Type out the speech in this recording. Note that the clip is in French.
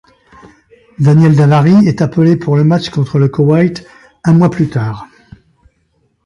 Daniel Davari est appelé pour le match contre le Koweït un mois plus tard.